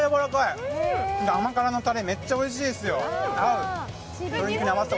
甘辛のたれ、めっちゃおいしいですよ。